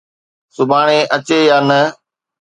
سڀاڻي اچي يا نه